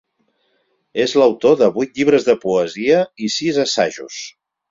És autor de vuit llibres de poesia i sis assajos.